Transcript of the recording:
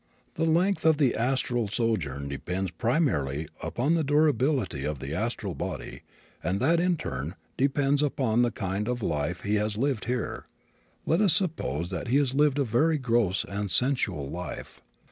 The length of the astral sojourn depends primarily upon the durability of the astral body and that, in turn, depends upon the kind of a life he has lived here. Let us suppose that he has lived a very gross and sensual life.